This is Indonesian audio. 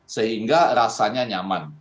sehingga rasanya nyaman